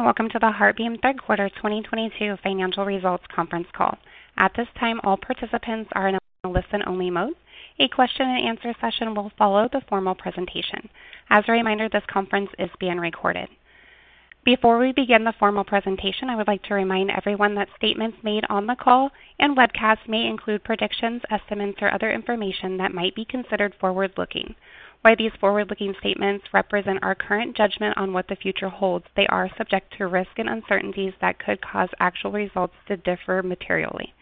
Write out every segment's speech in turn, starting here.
Welcome to the HeartBeam third quarter 2022 financial results conference call. At this time, all participants are in a listen-only mode. A question-and-answer session will follow the formal presentation. As a reminder, this conference is being recorded. Before we begin the formal presentation, I would like to remind everyone that statements made on the call and webcast may include predictions, estimates, or other information that might be considered forward-looking. While these forward-looking statements represent our current judgment on what the future holds, they are subject to risks and uncertainties that could cause actual results to differ materially.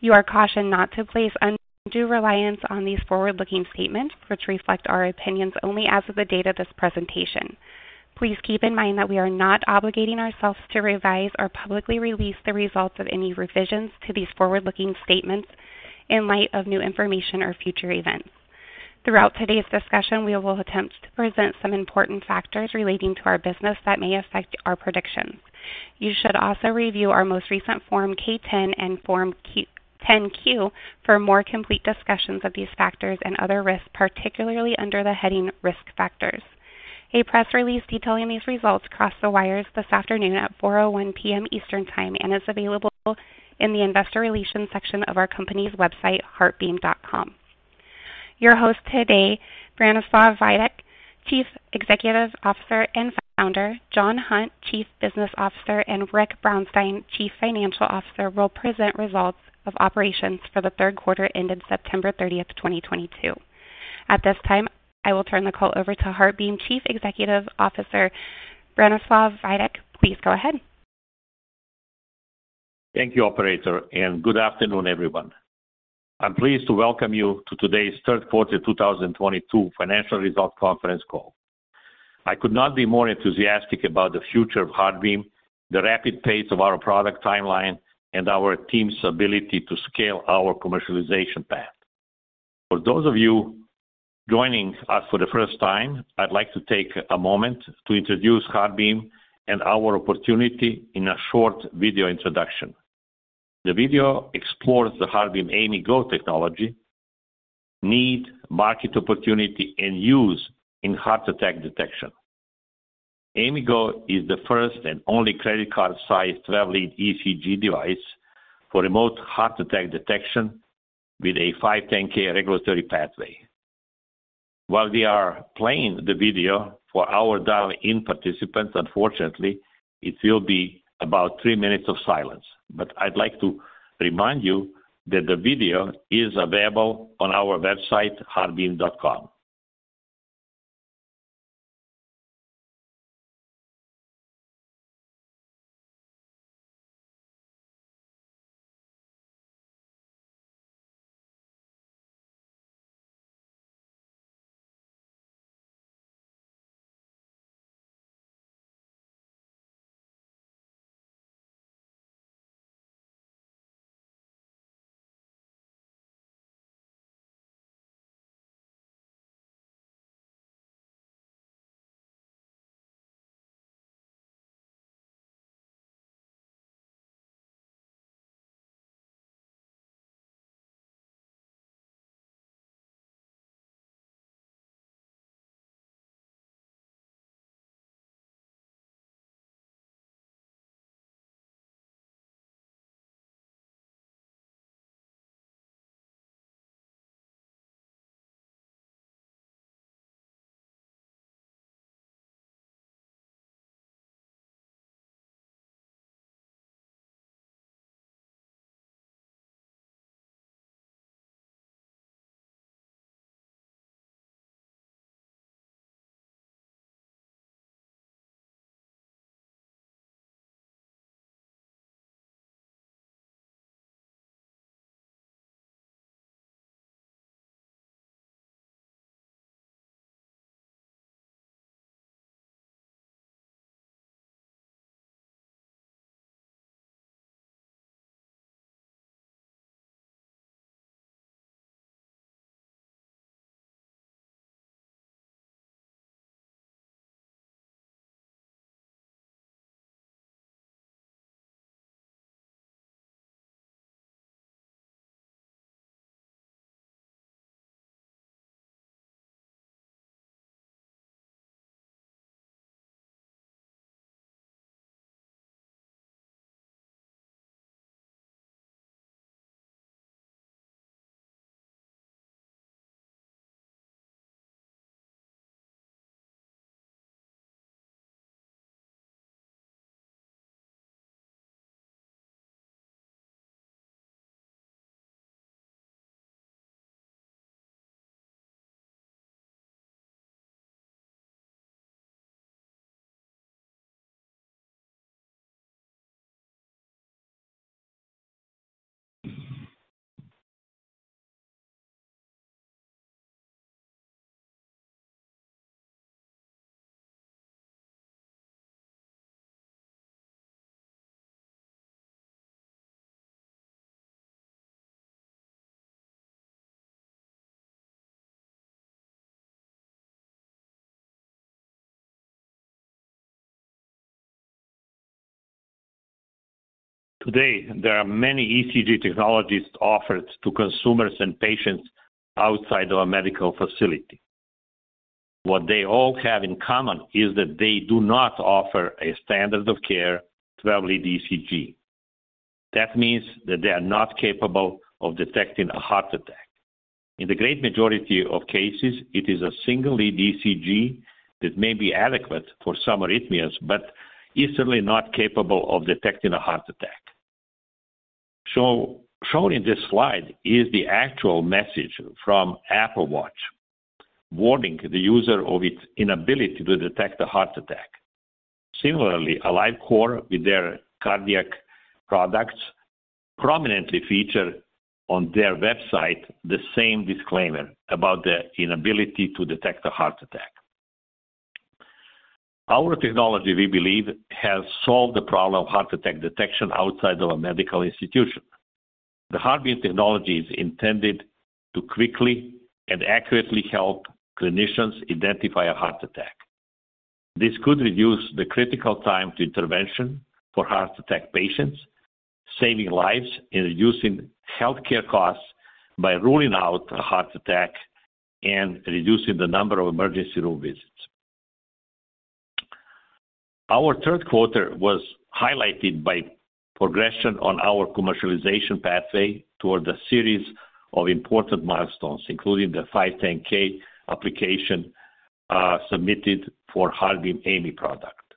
You are cautioned not to place undue reliance on these forward-looking statements, which reflect our opinions only as of the date of this presentation. Please keep in mind that we are not obligating ourselves to revise or publicly release the results of any revisions to these forward-looking statements in light of new information or future events. Throughout today's discussion, we will attempt to present some important factors relating to our business that may affect our predictions. You should also review our most recent Form 10-K and Form 10-Q for more complete discussions of these factors and other risks, particularly under the heading Risk Factors. A press release detailing these results crossed the wires this afternoon at 4:01 P.M. Eastern Time and is available in the investor relations section of our company's website, HeartBeam.com. Your host today, Branislav Vajdic, Chief Executive Officer and Founder, Jon Hunt, Chief Business Officer, and Rick Brounstein, Chief Financial Officer, will present results of operations for the third quarter ended September 30, 2022. At this time, I will turn the call over to HeartBeam Chief Executive Officer, Branislav Vajdic. Please go ahead. Thank you, operator, and good afternoon, everyone. I'm pleased to welcome you to today's third quarter 2022 financial results conference call. I could not be more enthusiastic about the future of HeartBeam, the rapid pace of our product timeline, and our team's ability to scale our commercialization path. For those of you joining us for the first time, I'd like to take a moment to introduce HeartBeam and our opportunity in a short video introduction. The video explores the HeartBeam AIMIGo technology need, market opportunity, and use in heart attack detection. AIMIGo is the first and only credit card-sized traveling ECG device for remote heart attack detection with a 510(k) regulatory pathway. While we are playing the video for our dial-in participants, unfortunately, it will be about 3 minutes of silence. I'd like to remind you that the video is available on our website, HeartBeam.com. Today, there are many ECG technologies offered to consumers and patients outside of a medical facility. What they all have in common is that they do not offer a standard of care twelve-lead ECG. That means that they are not capable of detecting a heart attack. In the great majority of cases, it is a single-lead ECG that may be adequate for some arrhythmias, but is certainly not capable of detecting a heart attack. Shown in this slide is the actual message from Apple Watch warning the user of its inability to detect a heart attack. Similarly, AliveCor with their cardiac products prominently feature on their website the same disclaimer about the inability to detect a heart attack. Our technology, we believe, has solved the problem of heart attack detection outside of a medical institution. The HeartBeam technology is intended to quickly and accurately help clinicians identify a heart attack. This could reduce the critical time to intervention for heart attack patients, saving lives and reducing healthcare costs by ruling out a heart attack and reducing the number of emergency room visits. Our third quarter was highlighted by progression on our commercialization pathway toward a series of important milestones, including the 510(k) application submitted for HeartBeam AIMI product.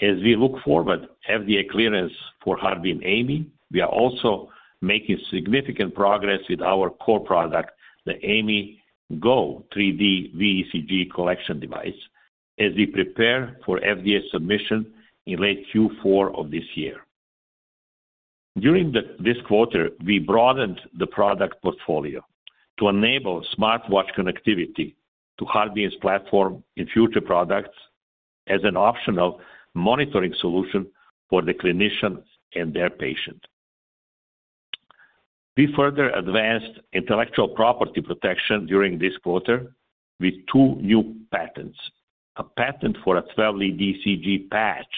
As we look forward to FDA clearance for HeartBeam AIMI, we are also making significant progress with our core product, the AIMIGo 3D VECG collection device as we prepare for FDA submission in late Q4 of this year. During this quarter, we broadened the product portfolio to enable smartwatch connectivity to HeartBeam's platform in future products as an optional monitoring solution for the clinicians and their patient. We further advanced intellectual property protection during this quarter with two new patents. A patent for a 12-lead ECG patch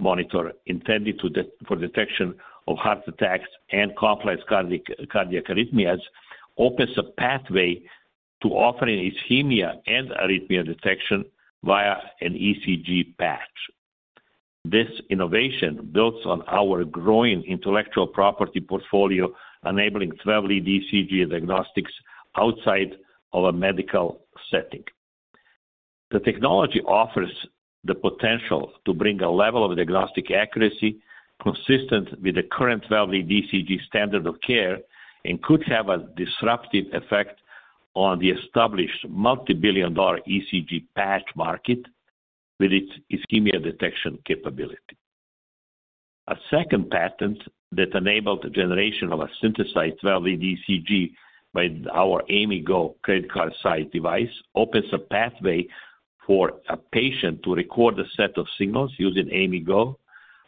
monitor intended for detection of heart attacks and complex cardiac arrhythmias opens a pathway to offering ischemia and arrhythmia detection via an ECG patch. This innovation builds on our growing intellectual property portfolio, enabling 12-lead ECG diagnostics outside of a medical setting. The technology offers the potential to bring a level of diagnostic accuracy consistent with the current 12-lead ECG standard of care and could have a disruptive effect on the established multi-billion-dollar ECG patch market with its ischemia detection capability. A second patent that enabled the generation of a synthesized 12-lead ECG by our AIMIGo credit card-size device opens a pathway for a patient to record a set of signals using AIMIGo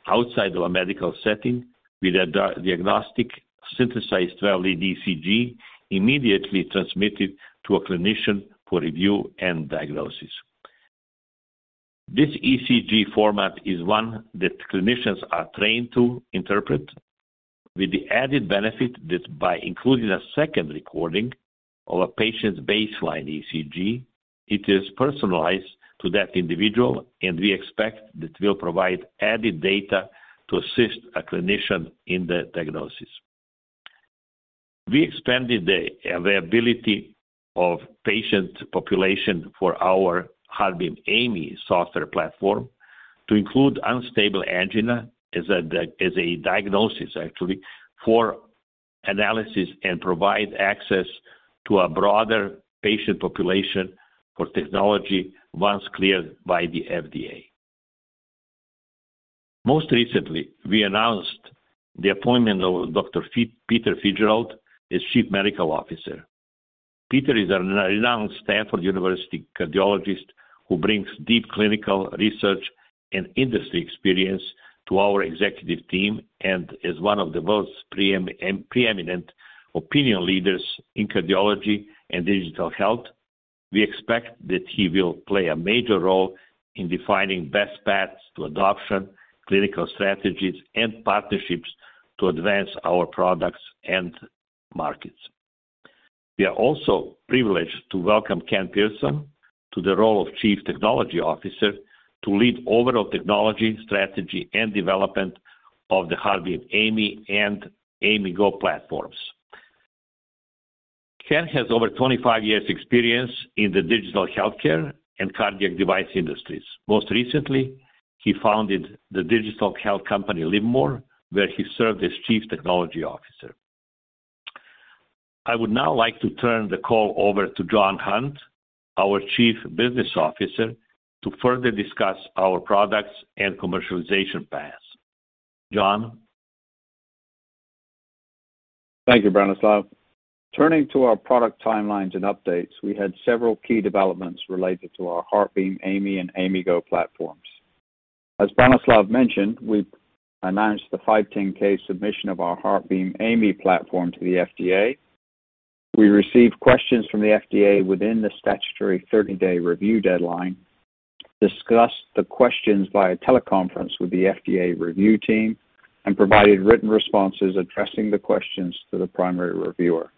outside of a medical setting with a diagnostic synthesized 12-lead ECG immediately transmitted to a clinician for review and diagnosis. This ECG format is one that clinicians are trained to interpret with the added benefit that by including a second recording of a patient's baseline ECG, it is personalized to that individual, and we expect that will provide added data to assist a clinician in the diagnosis. We expanded the availability of patient population for our HeartBeam AIMI software platform to include unstable angina as a diagnosis actually for analysis and provide access to a broader patient population for technology once cleared by the FDA. Most recently, we announced the appointment of Dr. Peter J. Fitzgerald as Chief Medical Officer. Peter is a renowned Stanford University cardiologist who brings deep clinical research and industry experience to our executive team and is one of the world's preeminent opinion leaders in cardiology and digital health. We expect that he will play a major role in defining best paths to adoption, clinical strategies, and partnerships to advance our products and markets. We are also privileged to welcome Ken Persen to the role of Chief Technology Officer to lead overall technology, strategy, and development of the HeartBeam AIMI and AIMIGo platforms. Ken has over 25 years experience in the digital healthcare and cardiac device industries. Most recently, he founded the digital health company, LIVMOR, where he served as Chief Technology Officer. I would now like to turn the call over to Jon Hunt, our Chief Business Officer, to further discuss our products and commercialization paths. Jon? Thank you, Branislav. Turning to our product timelines and updates, we had several key developments related to our HeartBeam AIMI and AIMIGo platforms. As Branislav mentioned, we've made the 510(k) submission of our HeartBeam AIMI platform to the FDA. We received questions from the FDA within the statutory 30-day review deadline, discussed the questions via teleconference with the FDA review team, and provided written responses addressing the questions to the primary reviewer.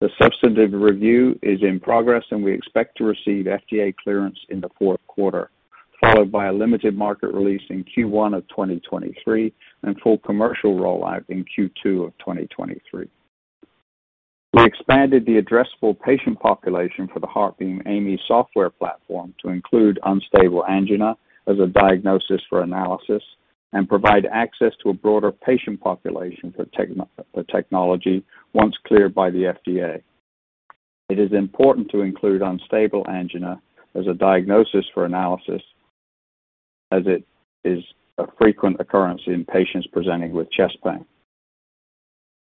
The substantive review is in progress, and we expect to receive FDA clearance in the fourth quarter, followed by a limited market release in Q1 of 2023 and full commercial rollout in Q2 of 2023. We expanded the addressable patient population for the HeartBeam AIMI software platform to include unstable angina as a diagnosis for analysis and provide access to a broader patient population for technology once cleared by the FDA. It is important to include unstable angina as a diagnosis for analysis, as it is a frequent occurrence in patients presenting with chest pain.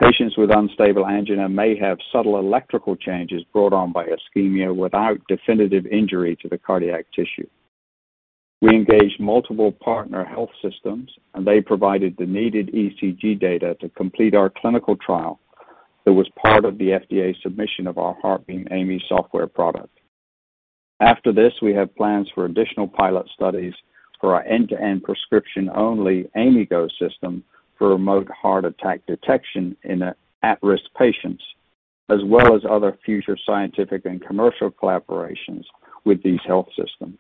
Patients with unstable angina may have subtle electrical changes brought on by ischemia without definitive injury to the cardiac tissue. We engaged multiple partner health systems, and they provided the needed ECG data to complete our clinical trial that was part of the FDA submission of our HeartBeam AIMI software product. After this, we have plans for additional pilot studies for our end-to-end prescription-only AIMIGo system for remote heart attack detection in at-risk patients, as well as other future scientific and commercial collaborations with these health systems.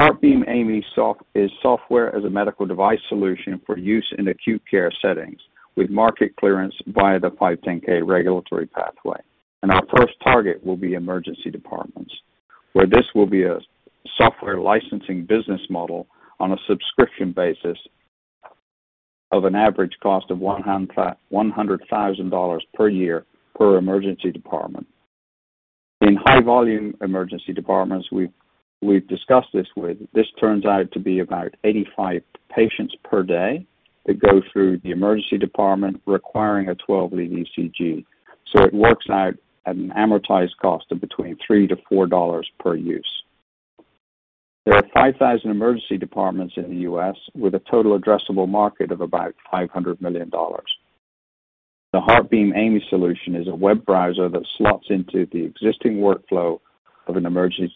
HeartBeam AIMI is software as a medical device solution for use in acute care settings with market clearance via the 510(k) regulatory pathway. Our first target will be emergency departments, where this will be a software licensing business model on a subscription basis of an average cost of $100,000 per year per emergency department. In high volume emergency departments we've discussed this with, this turns out to be about 85 patients per day that go through the emergency department requiring a 12-lead ECG. It works out at an amortized cost of between $3-$4 per use. There are 5,000 emergency departments in the U.S., with a total addressable market of about $500 million. The HeartBeam AIMI solution is a web browser that slots into the existing workflow of an emergency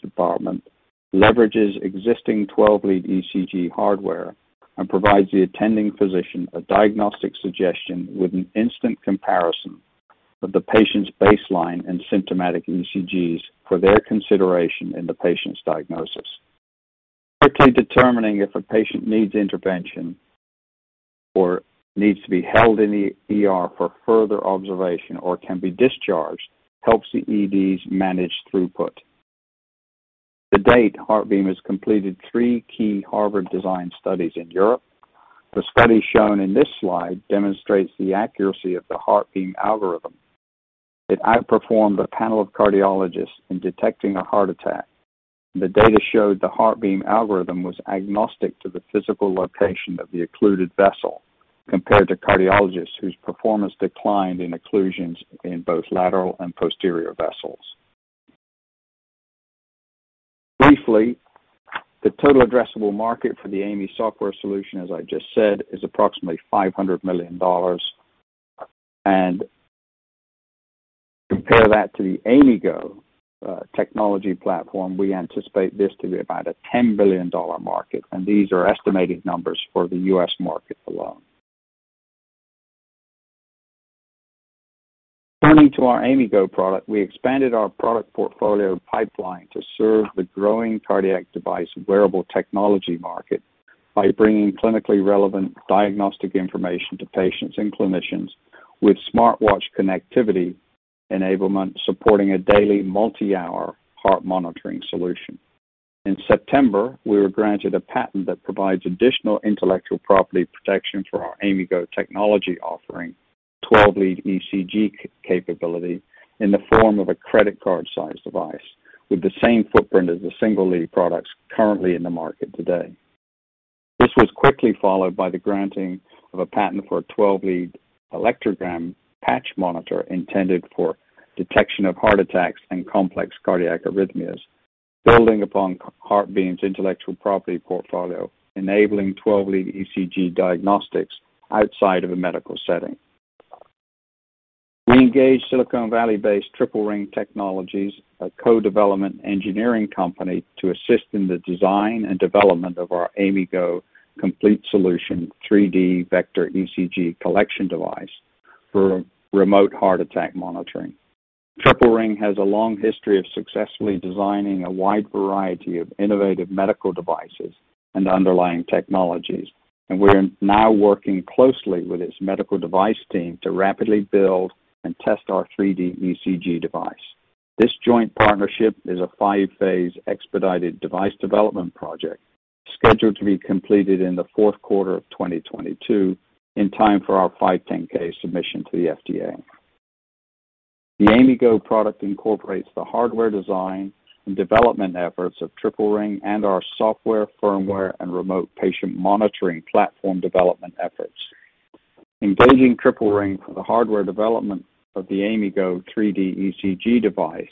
department, leverages existing 12-lead ECG hardware, and provides the attending physician a diagnostic suggestion with an instant comparison of the patient's baseline and symptomatic ECGs for their consideration in the patient's diagnosis. Quickly determining if a patient needs intervention or needs to be held in the ER for further observation or can be discharged helps the EDs manage throughput. To date, HeartBeam has completed three key Harvard design studies in Europe. The study shown in this slide demonstrates the accuracy of the HeartBeam algorithm. It outperformed a panel of cardiologists in detecting a heart attack. The data showed the HeartBeam algorithm was agnostic to the physical location of the occluded vessel compared to cardiologists whose performance declined in occlusions in both lateral and posterior vessels. Briefly, the total addressable market for the AIMI software solution, as I just said, is approximately $500 million. Compare that to the AIMIGo technology platform, we anticipate this to be about a $10 billion market, and these are estimated numbers for the U.S. market alone. Turning to our AIMIGo product, we expanded our product portfolio pipeline to serve the growing cardiac device wearable technology market by bringing clinically relevant diagnostic information to patients and clinicians with smartwatch connectivity enablement supporting a daily multi-hour heart monitoring solution. In September, we were granted a patent that provides additional intellectual property protection for our AIMIGo technology offering 12-lead ECG capability in the form of a credit card-sized device with the same footprint as the single-lead products currently in the market today. This was quickly followed by the granting of a patent for a 12-lead electrocardiogram patch monitor intended for detection of heart attacks and complex cardiac arrhythmias, building upon HeartBeam's intellectual property portfolio, enabling 12-lead ECG diagnostics outside of a medical setting. We engaged Silicon Valley-based Triple Ring Technologies, a co-development engineering company, to assist in the design and development of our AIMIGo complete solution, 3D vector ECG collection device for remote heart attack monitoring. Triple Ring has a long history of successfully designing a wide variety of innovative medical devices and underlying technologies, and we're now working closely with its medical device team to rapidly build and test our 3D ECG device. This joint partnership is a five-phase expedited device development project scheduled to be completed in the fourth quarter of 2022 in time for our 510(k) submission to the FDA. The AIMIGo product incorporates the hardware design and development efforts of Triple Ring and our software, firmware, and remote patient monitoring platform development efforts. Engaging Triple Ring for the hardware development of the AIMIGo 3D ECG device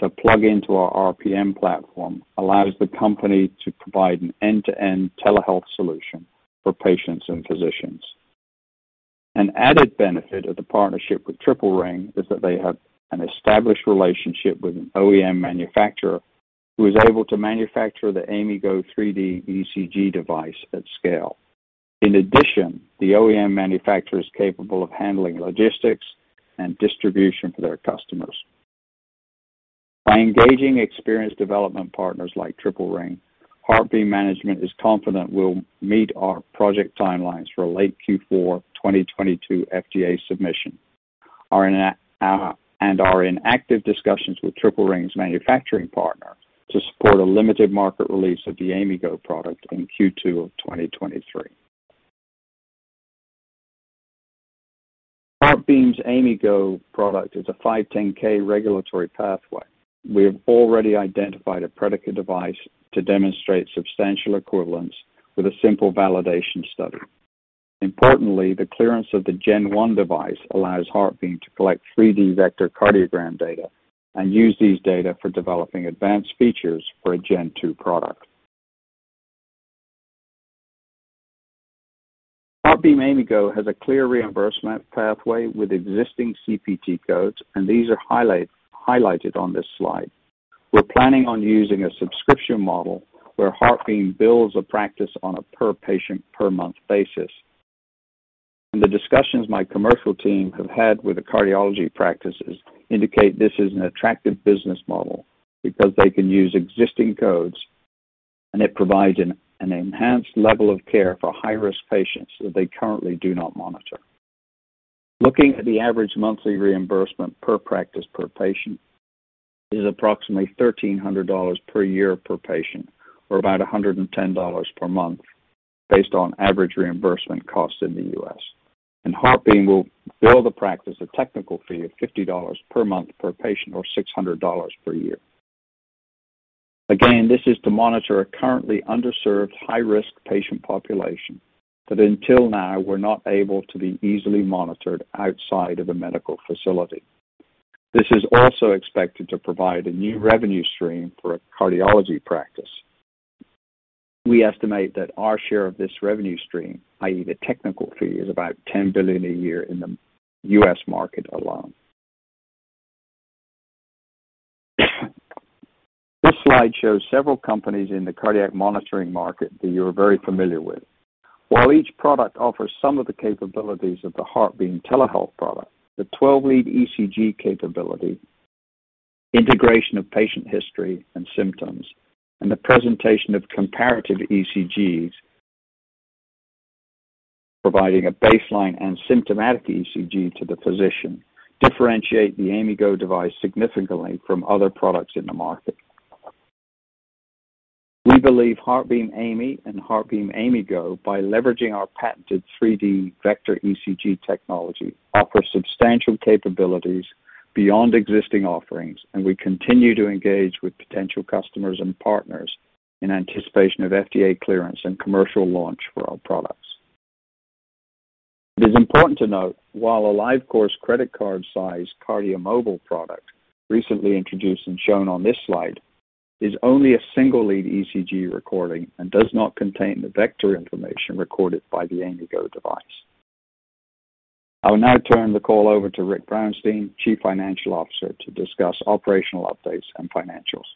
to plug into our RPM platform allows the company to provide an end-to-end telehealth solution for patients and physicians. An added benefit of the partnership with Triple Ring is that they have an established relationship with an OEM manufacturer who is able to manufacture the AIMIGo 3D ECG device at scale. In addition, the OEM manufacturer is capable of handling logistics and distribution for their customers. By engaging experienced development partners like Triple Ring, HeartBeam management is confident we'll meet our project timelines for late Q4 2022 FDA submission. We are in active discussions with Triple Ring's manufacturing partner to support a limited market release of the AIMIGo product in Q2 of 2023. HeartBeam's AIMIGo product is a 510(k) regulatory pathway. We have already identified a predicate device to demonstrate substantial equivalence with a simple validation study. Importantly, the clearance of the Gen one device allows HeartBeam to collect 3D vectorcardiogram data and use these data for developing advanced features for a Gen two product. HeartBeam AIMIGo has a clear reimbursement pathway with existing CPT codes, and these are highlighted on this slide. We're planning on using a subscription model where HeartBeam bills a practice on a per-patient, per-month basis. In the discussions my commercial team have had with the cardiology practices indicate this is an attractive business model because they can use existing codes, and it provides an enhanced level of care for high-risk patients that they currently do not monitor. Looking at the average monthly reimbursement per practice per patient is approximately $1,300 per year per patient or about $110 per month based on average reimbursement costs in the U.S. HeartBeam will bill the practice a technical fee of $50 per month per patient or $600 per year. Again, this is to monitor a currently underserved high-risk patient population that until now were not able to be easily monitored outside of a medical facility. This is also expected to provide a new revenue stream for a cardiology practice. We estimate that our share of this revenue stream, i.e., the technical fee, is about $10 billion a year in the U.S. market alone. This slide shows several companies in the cardiac monitoring market that you're very familiar with. While each product offers some of the capabilities of the HeartBeam telehealth product, the 12-lead ECG capability, integration of patient history and symptoms, and the presentation of comparative ECGs providing a baseline and symptomatic ECG to the physician differentiate the AIMIGo device significantly from other products in the market. We believe HeartBeam AIMI and HeartBeam AIMIGo, by leveraging our patented 3D vector ECG technology, offer substantial capabilities beyond existing offerings, and we continue to engage with potential customers and partners in anticipation of FDA clearance and commercial launch for our products. It is important to note, while an AliveCor credit card size KardiaMobile product recently introduced and shown on this slide is only a single-lead ECG recording and does not contain the vector information recorded by the AIMIGo device. I will now turn the call over to Rick Brounstein, Chief Financial Officer, to discuss operational updates and financials.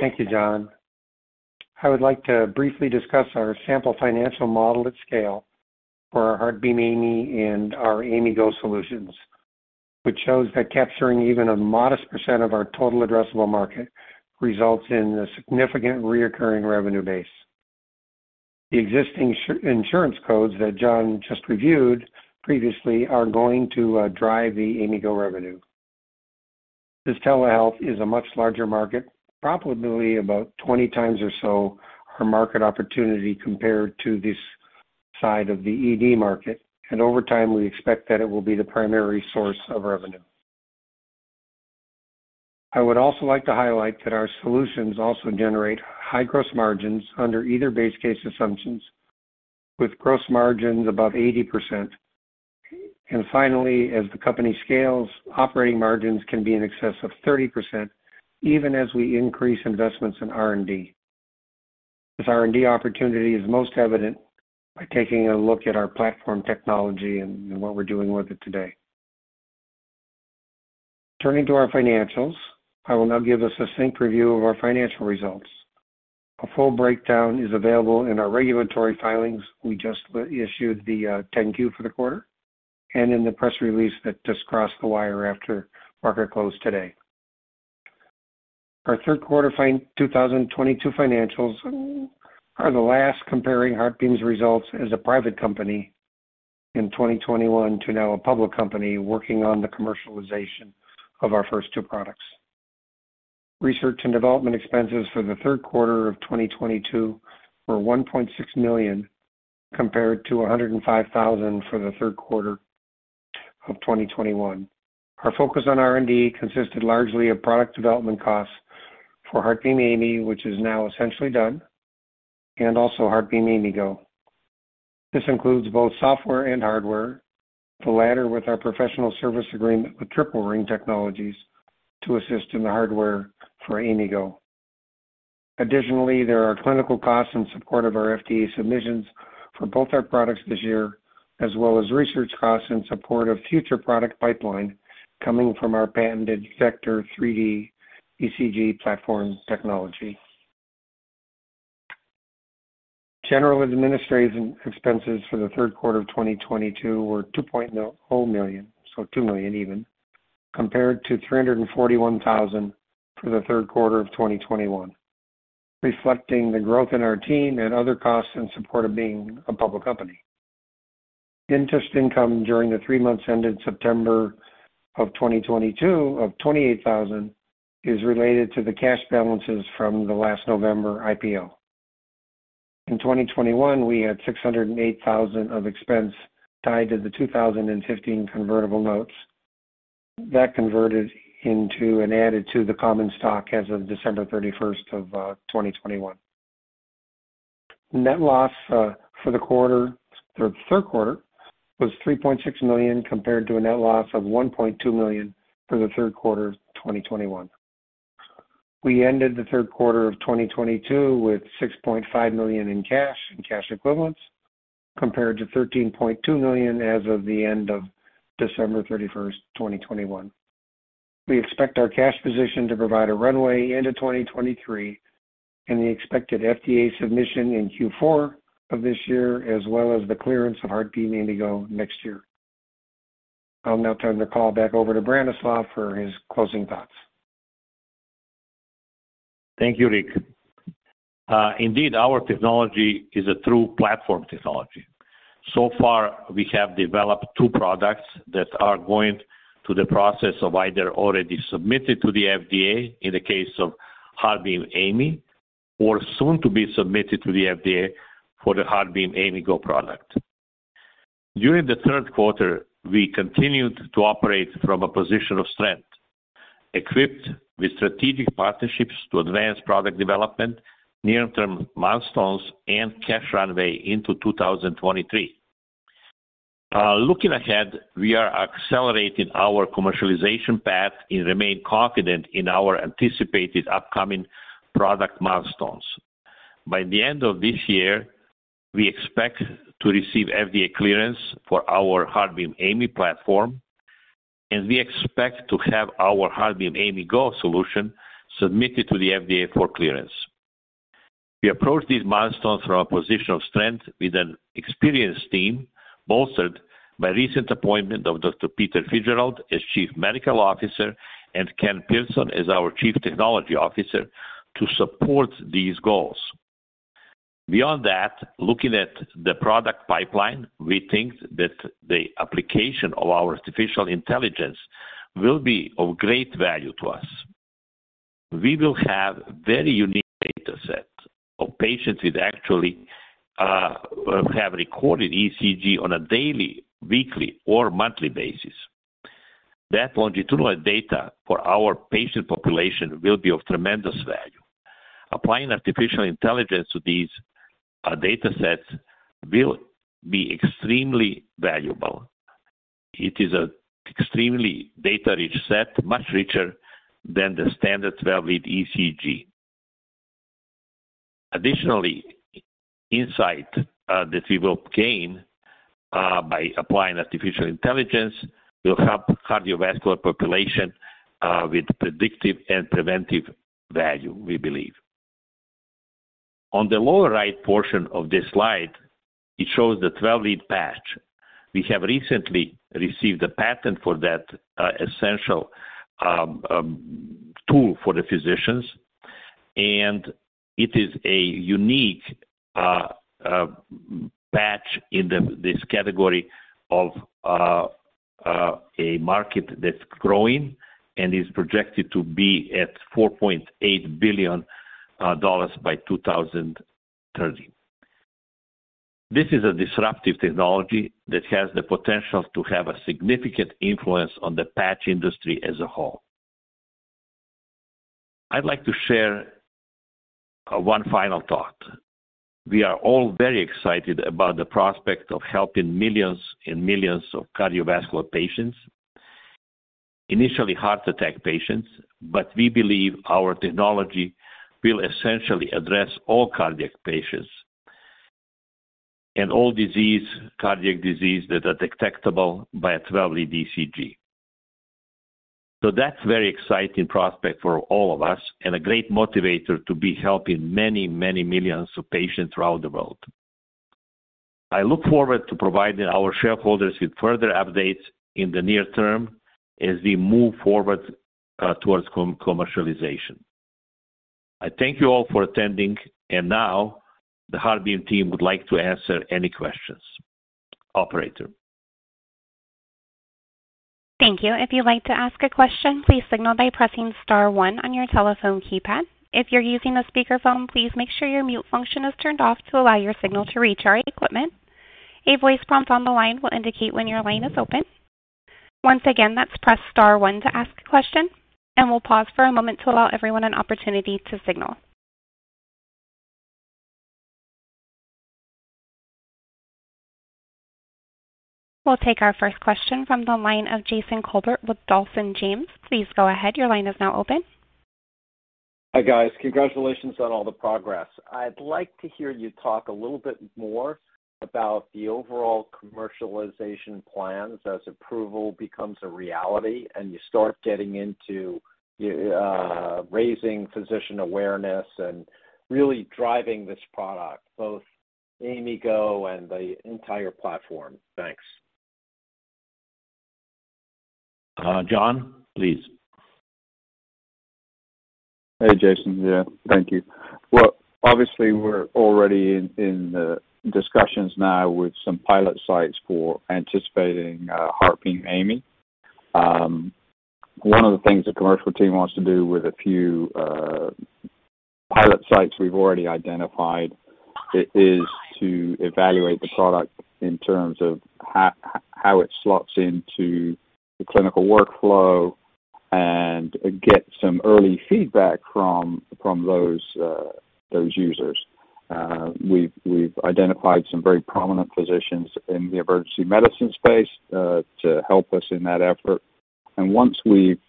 Thank you, Jon. I would like to briefly discuss our sample financial model at scale for our HeartBeam AIMI and our AIMIGo solutions, which shows that capturing even a modest percent of our total addressable market results in a significant recurring revenue base. The existing insurance codes that Jon just reviewed previously are going to drive the AIMIGo revenue. This telehealth is a much larger market, probably about 20 times or so the market opportunity compared to this side of the ED market, and over time, we expect that it will be the primary source of revenue. I would also like to highlight that our solutions also generate high gross margins under either base case assumptions with gross margins above 80%. Finally, as the company scales, operating margins can be in excess of 30% even as we increase investments in R&D. This R&D opportunity is most evident by taking a look at our platform technology and what we're doing with it today. Turning to our financials, I will now give a succinct review of our financial results. A full breakdown is available in our regulatory filings. We just issued the 10-Q for the quarter and in the press release that just crossed the wire after market close today. Our third quarter 2022 financials are the last comparing HeartBeam's results as a private company in 2021 to now a public company working on the commercialization of our first two products. Research and development expenses for the third quarter of 2022 were $1.6 million, compared to $105,000 for the third quarter of 2021. Our focus on R&D consisted largely of product development costs for HeartBeam AIMI, which is now essentially done, and also HeartBeam AIMIGo. This includes both software and hardware, the latter with our professional service agreement with Triple Ring Technologies to assist in the hardware for AIMIGo. Additionally, there are clinical costs in support of our FDA submissions for both our products this year, as well as research costs in support of future product pipeline coming from our patented 3D vector ECG platform technology. General and administrative expenses for the third quarter of 2022 were $2.0 Million, so $2 million even, compared to $341,000 for the third quarter of 2021, reflecting the growth in our team and other costs in support of being a public company. Interest income during the three months ended September 2022 of $28,000 is related to the cash balances from the last November IPO. In 2021, we had $608,000 of expense tied to the 2015 convertible notes. That converted into and added to the common stock as of December 31, 2021. Net loss for the quarter or the third quarter was $3.6 million, compared to a net loss of $1.2 million for the third quarter of 2021. We ended the third quarter of 2022 with $6.5 million in cash and cash equivalents, compared to $13.2 million as of the end of December 31, 2021. We expect our cash position to provide a runway into 2023, and the expected FDA submission in Q4 of this year, as well as the clearance of HeartBeam AIMIGo next year. I'll now turn the call back over to Branislav for his closing thoughts. Thank you, Rick. Indeed, our technology is a true platform technology. So far, we have developed two products that are going through the process of either already submitted to the FDA in the case of HeartBeam AIMI or soon to be submitted to the FDA for the HeartBeam AIMIGo product. During the third quarter, we continued to operate from a position of strength, equipped with strategic partnerships to advance product development, near-term milestones, and cash runway into 2023. Looking ahead, we are accelerating our commercialization path and remain confident in our anticipated upcoming product milestones. By the end of this year, we expect to receive FDA clearance for our HeartBeam AIMI platform, and we expect to have our HeartBeam AIMIGo solution submitted to the FDA for clearance. We approach these milestones from a position of strength with an experienced team bolstered by recent appointment of Dr. Peter J. Fitzgerald as Chief Medical Officer and Ken Persen as our Chief Technology Officer to support these goals. Beyond that, looking at the product pipeline, we think that the application of our artificial intelligence will be of great value to us. We will have very unique data sets of patients with actually have recorded ECG on a daily, weekly, or monthly basis. That longitudinal data for our patient population will be of tremendous value. Applying artificial intelligence to these data sets will be extremely valuable. It is an extremely data-rich set, much richer than the standard 12-lead ECG. Additionally, insight that we will gain by applying artificial intelligence will help cardiovascular population with predictive and preventive value, we believe. On the lower right portion of this slide, it shows the 12-lead patch. We have recently received a patent for that essential tool for the physicians, and it is a unique patch in this category of a market that's growing and is projected to be at $4.8 billion by 2030. This is a disruptive technology that has the potential to have a significant influence on the patch industry as a whole. I'd like to share one final thought. We are all very excited about the prospect of helping millions and millions of cardiovascular patients. Initially heart attack patients, but we believe our technology will essentially address all cardiac patients and all disease, cardiac disease that are detectable by a 12-lead ECG. That's a very exciting prospect for all of us and a great motivator to be helping many, many millions of patients throughout the world. I look forward to providing our shareholders with further updates in the near term as we move forward towards commercialization. I thank you all for attending. Now the HeartBeam team would like to answer any questions. Operator. Thank you. If you'd like to ask a question, please signal by pressing star one on your telephone keypad. If you're using a speakerphone, please make sure your mute function is turned off to allow your signal to reach our equipment. A voice prompt on the line will indicate when your line is open. Once again, that's press star one to ask a question, and we'll pause for a moment to allow everyone an opportunity to signal. We'll take our first question from the line of Jason Kolbert with Dawson James. Please go ahead. Your line is now open. Hi, guys. Congratulations on all the progress. I'd like to hear you talk a little bit more about the overall commercialization plans as approval becomes a reality and you start getting into raising physician awareness and really driving this product, both AIMIGo and the entire platform. Thanks. Jon, please. Hey, Jason. Yeah, thank you. Well, obviously, we're already in the discussions now with some pilot sites for the HeartBeam AIMI. One of the things the commercial team wants to do with a few pilot sites we've already identified is to evaluate the product in terms of how it slots into the clinical workflow and get some early feedback from those users. We've identified some very prominent physicians in the emergency medicine space to help us in that effort. Once we've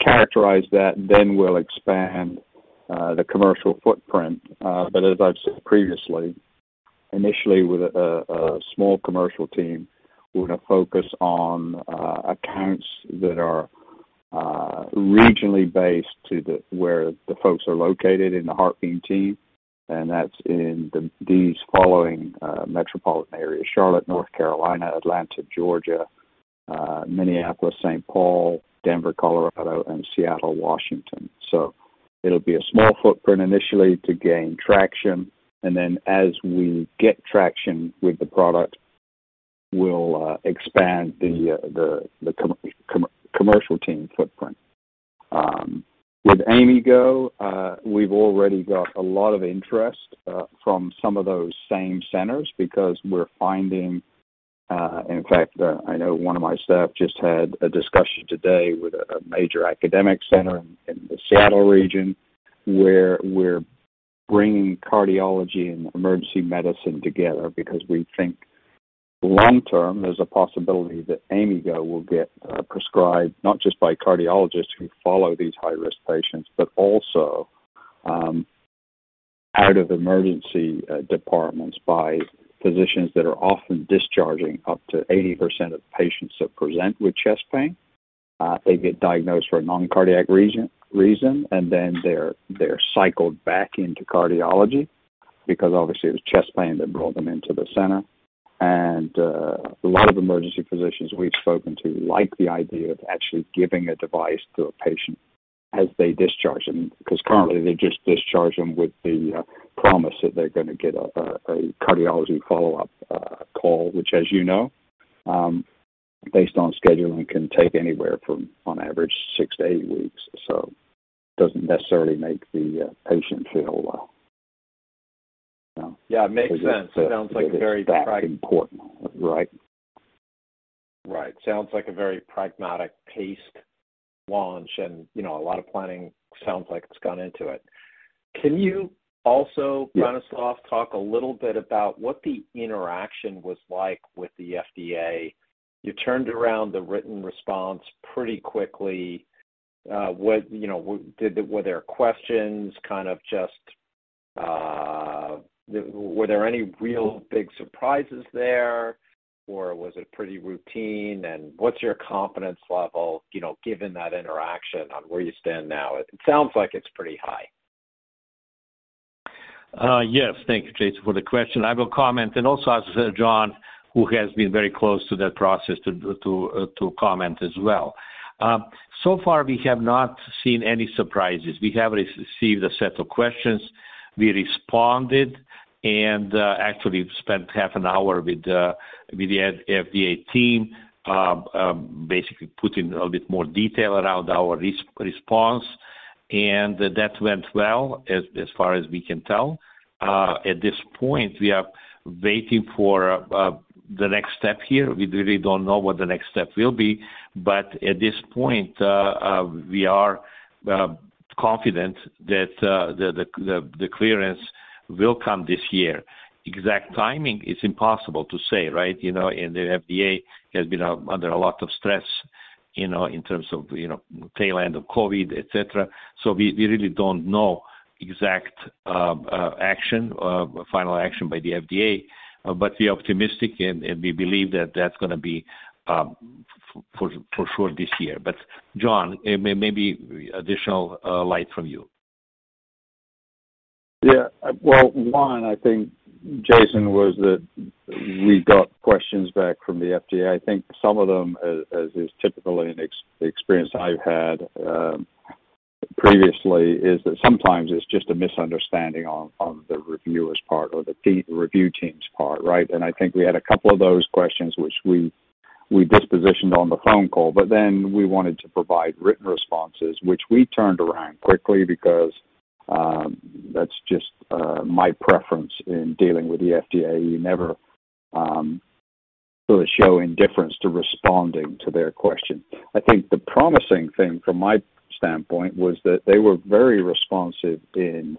characterized that, then we'll expand the commercial footprint. As I've said previously, initially with a small commercial team, we're gonna focus on accounts that are regionally based to where the folks are located in the HeartBeam team, and that's in these following metropolitan areas: Charlotte, North Carolina, Atlanta, Georgia, Minneapolis, St. Paul, Denver, Colorado, and Seattle, Washington. It'll be a small footprint initially to gain traction, and then as we get traction with the product, we'll expand the commercial team footprint. With AIMIGo, we've already got a lot of interest from some of those same centers because we're finding, and in fact, I know one of my staff just had a discussion today with a major academic center in the Seattle region, where we're bringing cardiology and emergency medicine together because we think long term, there's a possibility that AIMIGo will get prescribed not just by cardiologists who follow these high-risk patients, but also out of emergency departments by physicians that are often discharging up to 80% of patients that present with chest pain. They get diagnosed for a non-cardiac reason, and then they're cycled back into cardiology because obviously it was chest pain that brought them into the center. A lot of emergency physicians we've spoken to like the idea of actually giving a device to a patient as they discharge them, 'cause currently they just discharge them with the promise that they're gonna get a cardiology follow-up call, which, as you know, based on scheduling, can take anywhere from, on average, six to eight weeks. Doesn't necessarily make the patient feel, you know? Yeah, it makes sense. That important, right? Right. Sounds like a very pragmatic paced launch and, you know, a lot of planning sounds like it's gone into it. Can you also Yeah. Branislav, talk a little bit about what the interaction was like with the FDA? You turned around the written response pretty quickly. You know, were there questions, kind of just, were there any real big surprises there, or was it pretty routine? What's your confidence level, you know, given that interaction on where you stand now? It sounds like it's pretty high. Yes. Thank you, Jason, for the question. I will comment and also ask Jon, who has been very close to that process, to comment as well. We have not seen any surprises. We have received a set of questions. We responded and actually spent half an hour with the FDA team, basically putting a bit more detail around our response, and that went well, as far as we can tell. At this point, we are waiting for the next step here. We really don't know what the next step will be, but at this point, we are confident that the clearance will come this year. Exact timing is impossible to say, right? You know, the FDA has been under a lot of stress, you know, in terms of, you know, tail end of COVID, et cetera. We really don't know exact final action by the FDA, but we're optimistic and we believe that that's gonna be for sure this year. Jon, maybe additional light from you. Yeah. Well, one, I think, Jason, was that we got questions back from the FDA. I think some of them, as is typically an experience I've had, previously, is that sometimes it's just a misunderstanding on the reviewer's part or the review team's part, right? I think we had a couple of those questions which we dispositioned on the phone call, but then we wanted to provide written responses, which we turned around quickly because that's just my preference in dealing with the FDA. You never show indifference to responding to their question. I think the promising thing from my standpoint was that they were very responsive in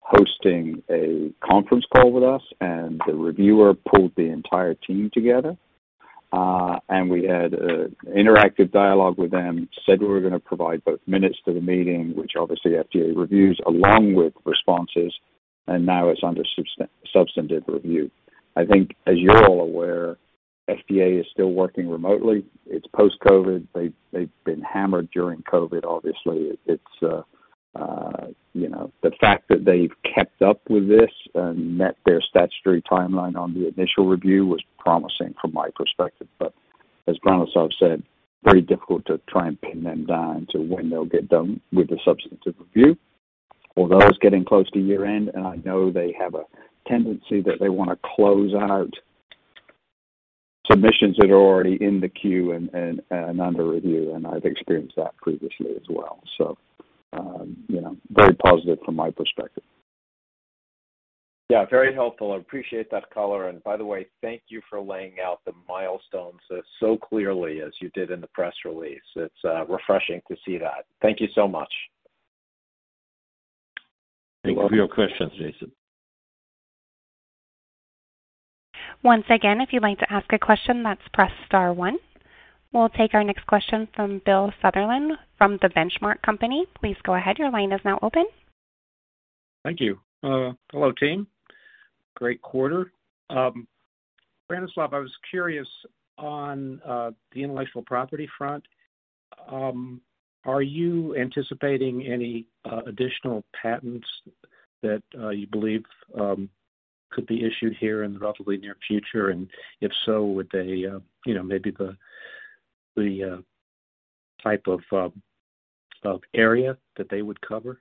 hosting a conference call with us, and the reviewer pulled the entire team together. We had an interactive dialogue with them, said we were gonna provide both minutes to the meeting, which obviously FDA reviews, along with responses, and now it's under substantive review. I think as you're all aware, FDA is still working remotely. It's post-COVID. They've been hammered during COVID, obviously. You know. The fact that they've kept up with this and met their statutory timeline on the initial review was promising from my perspective. As Branislav said, very difficult to try and pin them down to when they'll get done with the substantive review. Although it's getting close to year-end, and I know they have a tendency that they wanna close out submissions that are already in the queue and under review, and I've experienced that previously as well. You know, very positive from my perspective. Yeah, very helpful. I appreciate that color. By the way, thank you for laying out the milestones so clearly as you did in the press release. It's refreshing to see that. Thank you so much. Thank you for your questions, Jason. Once again, if you'd like to ask a question, that's press star one. We'll take our next question from Bill Sutherland from The Benchmark Company. Please go ahead. Your line is now open. Thank you. Hello, team. Great quarter. Branislav, I was curious on the intellectual property front. Are you anticipating any additional patents that you believe could be issued here in the relatively near future? If so, would they, you know, maybe the type of area that they would cover?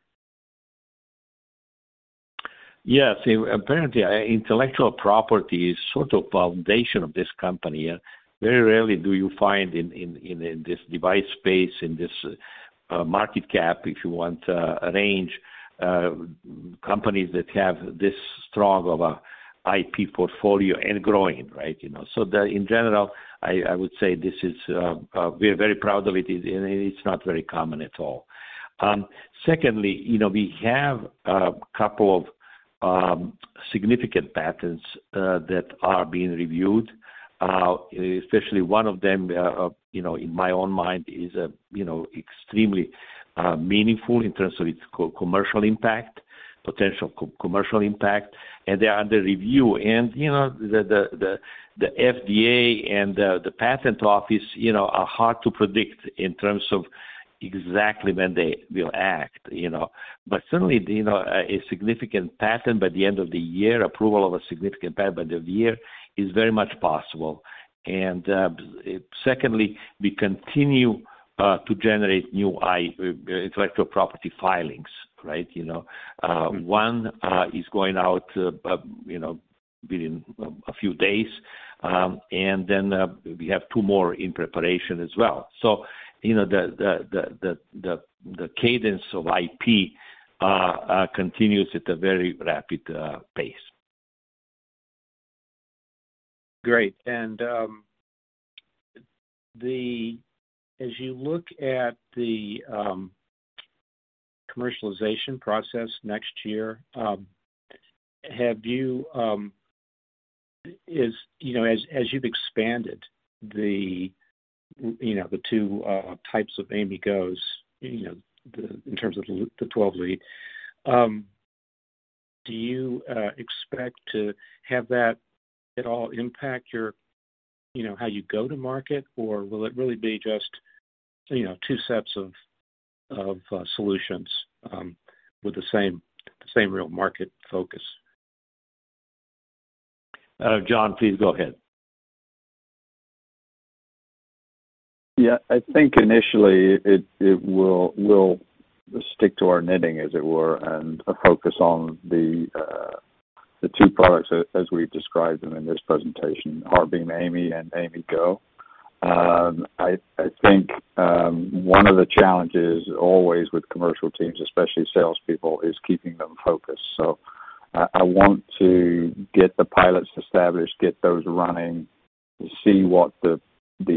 Yes. Apparently, intellectual property is sort of foundation of this company. Very rarely do you find in this device space, in this market cap, if you want, a range, companies that have this strong of a IP portfolio and growing, right, you know? In general, I would say this is, we're very proud of it. It's not very common at all. Secondly, you know, we have a couple of significant patents that are being reviewed. Especially one of them, you know, in my own mind is, you know, extremely meaningful in terms of its commercial impact, potential commercial impact, and they are under review. You know, the FDA and the patent office, you know, are hard to predict in terms of exactly when they will act, you know. Certainly, you know, a significant patent by the end of the year, approval of a significant patent by the year is very much possible. Secondly, we continue to generate new intellectual property filings, right, you know. One is going out, you know, within a few days, and then we have two more in preparation as well. You know, the cadence of IP continues at a very rapid pace. Great. As you look at the commercialization process next year, have you know, as you've expanded the, you know, the two types of AIMIGo, you know, the, in terms of the 12-lead, do you expect to have that at all impact your, you know, how you go to market? Or will it really be just, you know, two sets of solutions, with the same real market focus? Jon, please go ahead. Yeah. I think initially it will. We'll stick to our knitting, as it were, and focus on the two products as we've described them in this presentation, HeartBeam AIMI and AIMIGo. I think one of the challenges always with commercial teams, especially salespeople, is keeping them focused. I want to get the pilots established, get those running, see what the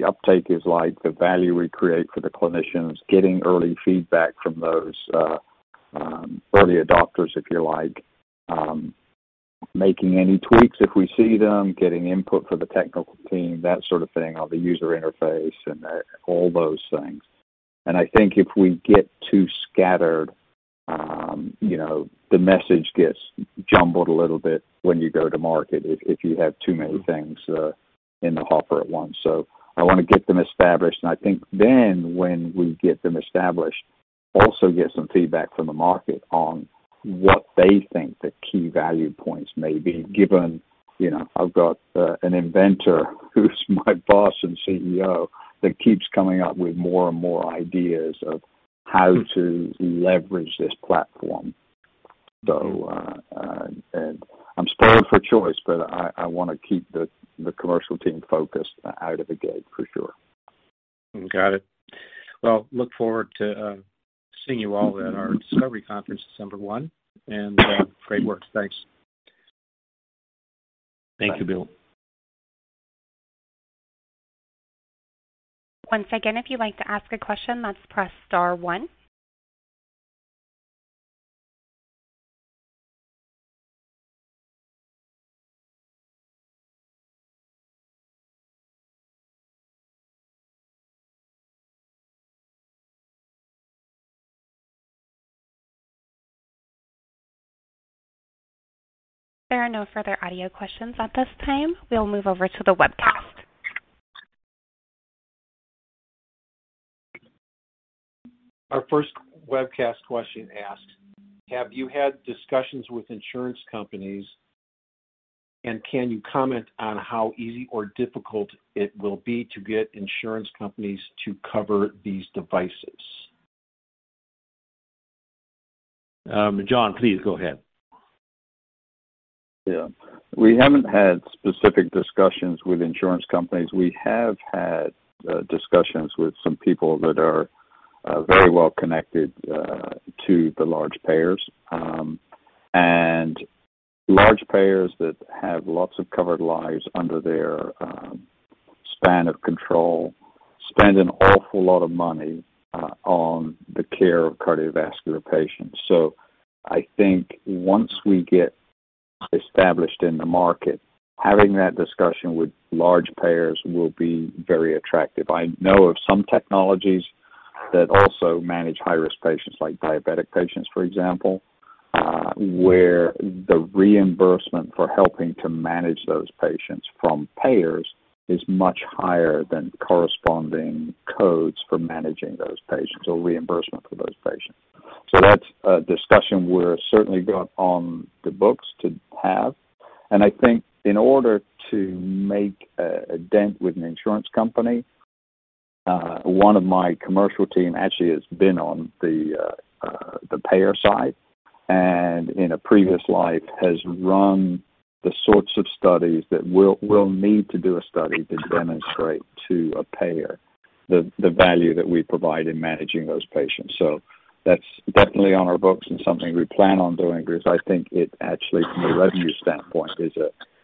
uptake is like, the value we create for the clinicians, getting early feedback from those early adopters, if you like, making any tweaks if we see them, getting input for the technical team, that sort of thing, or the user interface and all those things. I think if we get too scattered, you know, the message gets jumbled a little bit when you go to market if you have too many things in the hopper at once. I wanna get them established, and I think then when we get them established, also get some feedback from the market on what they think the key value points may be, given, you know, I've got an inventor who's my boss and CEO that keeps coming up with more and more ideas of how to leverage this platform. I'm spoiled for choice, but I wanna keep the commercial team focused out of the gate for sure. Got it. Well, look forward to seeing you all at our Discovery Conference December 1, and great work. Thanks. Thank you, Bill. Once again, if you'd like to ask a question, let's press star one. There are no further audio questions at this time. We'll move over to the webcast. Our first webcast question asks, have you had discussions with insurance companies, and can you comment on how easy or difficult it will be to get insurance companies to cover these devices? Jon, please go ahead. Yeah. We haven't had specific discussions with insurance companies. We have had discussions with some people that are very well connected to the large payers. Large payers that have lots of covered lives under their span of control spend an awful lot of money on the care of cardiovascular patients. I think once we get established in the market, having that discussion with large payers will be very attractive. I know of some technologies that also manage high-risk patients, like diabetic patients, for example, where the reimbursement for helping to manage those patients from payers is much higher than corresponding codes for managing those patients or reimbursement for those patients. That's a discussion we're certainly got on the books to have. I think in order to make a dent with an insurance company, one of my commercial team actually has been on the payer side and in a previous life has run the sorts of studies that we'll need to do a study to demonstrate to a payer the value that we provide in managing those patients. That's definitely on our books and something we plan on doing because I think it actually from a revenue standpoint is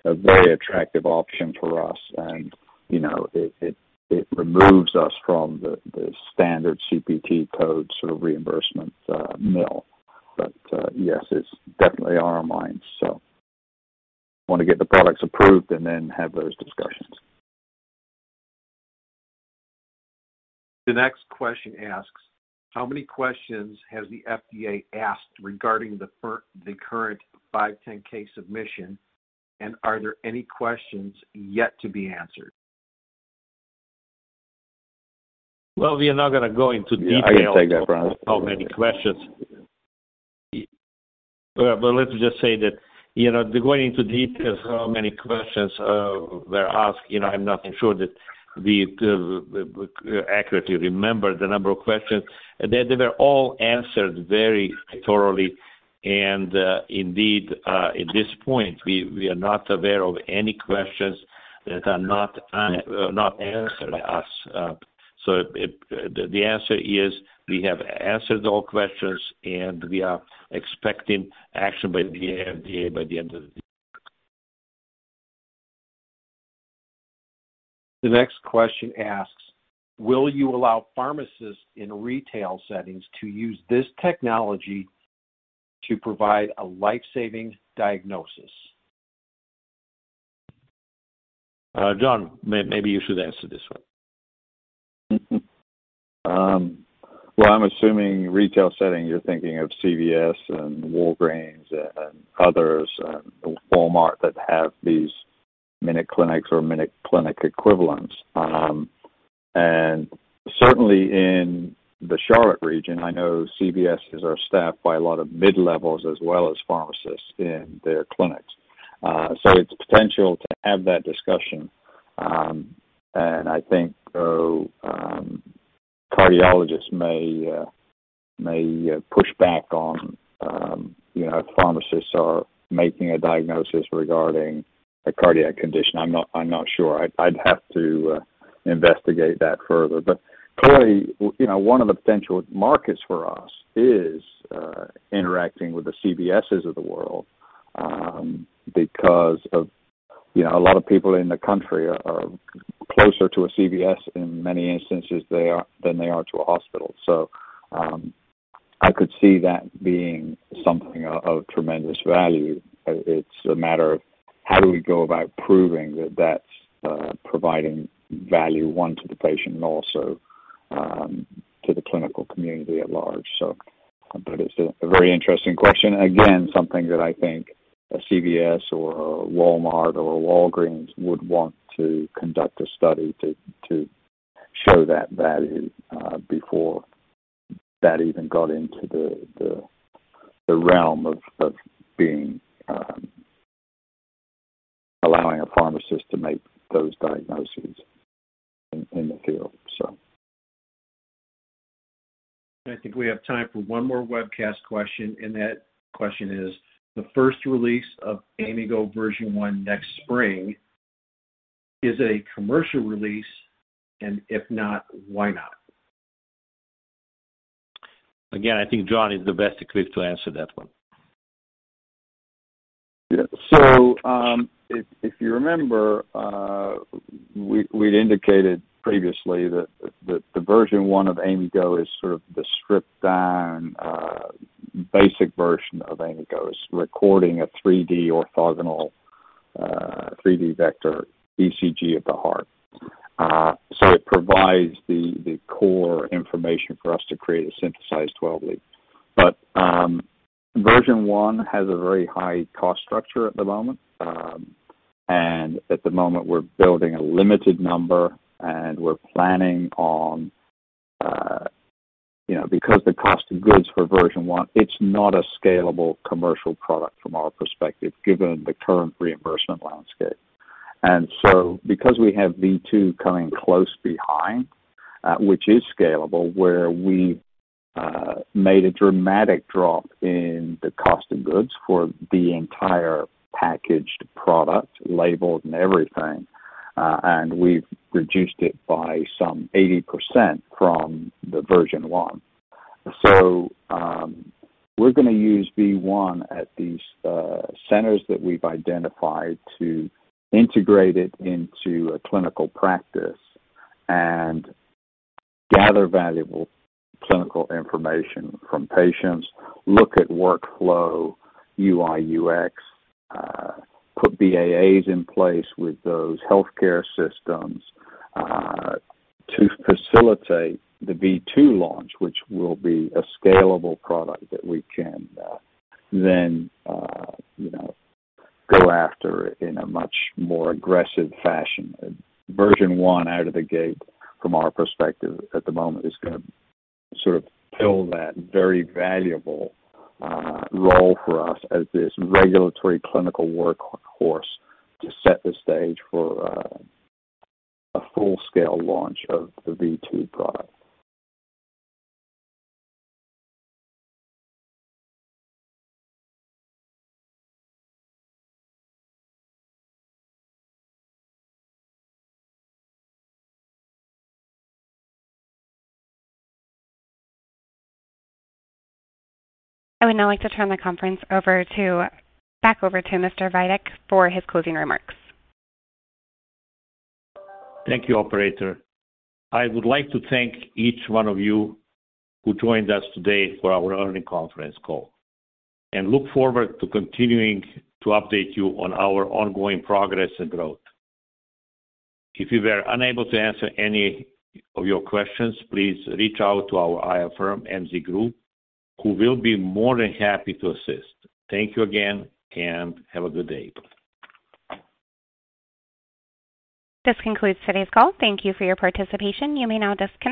a very attractive option for us and, you know, it removes us from the standard CPT code sort of reimbursement mill. Yes, it's definitely on our minds. Want to get the products approved and then have those discussions. The next question asks, how many questions has the FDA asked regarding the current 510(k) submission, and are there any questions yet to be answered? Well, we are not gonna go into details. I can take that, Branislav. Of how many questions. Let's just say that, you know, going into details, how many questions were asked, you know, I'm not sure that we accurately remember the number of questions. They were all answered very thoroughly. Indeed, at this point, we are not aware of any questions that are not answered by us. The answer is we have answered all questions and we are expecting action by the FDA by the end of the year. The next question asks, will you allow pharmacists in retail settings to use this technology to provide a life-saving diagnosis? Jon, maybe you should answer this one. Well, I'm assuming retail setting, you're thinking of CVS and Walgreens and others and Walmart that have these minute clinics or minute clinic equivalents. Certainly in the Charlotte region, I know CVSs are staffed by a lot of mid-levels as well as pharmacists in their clinics. It's potential to have that discussion. I think cardiologists may push back on, you know, pharmacists are making a diagnosis regarding a cardiac condition. I'm not sure. I'd have to investigate that further. Clearly, you know, one of the potential markets for us is interacting with the CVSs of the world, because of, you know, a lot of people in the country are closer to a CVS in many instances than they are to a hospital. I could see that being something of tremendous value. It's a matter of how do we go about proving that that's providing value, one, to the patient and also to the clinical community at large. It's a very interesting question. Again, something that I think a CVS or Walmart or Walgreens would want to conduct a study to show that value before that even got into the realm of being allowing a pharmacist to make those diagnoses in the field so. I think we have time for one more webcast question, and that question is the first release of AIMIGo version one next spring is a commercial release? If not, why not? Again, I think Jon is the best equipped to answer that one. If you remember, we'd indicated previously that the version one of AIMIGo is sort of the stripped-down basic version of AIMIGo. It's recording a 3D orthogonal 3D vector ECG of the heart. It provides the core information for us to create a synthesized 12-lead. Version one has a very high cost structure at the moment. At the moment, we're building a limited number, and we're planning on because the cost of goods for version one. It's not a scalable commercial product from our perspective, given the current reimbursement landscape. Because we have V2 coming close behind, which is scalable, where we made a dramatic drop in the cost of goods for the entire packaged product label and everything, and we've reduced it by some 80% from the version one. We're gonna use V1 at these centers that we've identified to integrate it into a clinical practice and gather valuable clinical information from patients, look at workflow UI, UX, put BAAs in place with those healthcare systems, to facilitate the V2 launch, which will be a scalable product that we can then you know go after in a much more aggressive fashion. Version one out of the gate from our perspective at the moment is gonna sort of fill that very valuable, role for us as this regulatory clinical workhorse to set the stage for a full-scale launch of the V2 product. I would now like to turn the conference back over to Mr. Vajdic for his closing remarks. Thank you, operator. I would like to thank each one of you who joined us today for our earnings conference call and look forward to continuing to update you on our ongoing progress and growth. If we were unable to answer any of your questions, please reach out to our IR firm, MZ Group, who will be more than happy to assist. Thank you again and have a good day. This concludes today's call. Thank you for your participation. You may now disconnect.